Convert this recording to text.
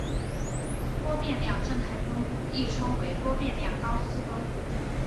多变量正态分布亦称为多变量高斯分布。